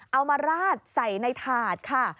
มาราดใส่ในถาดค่ะ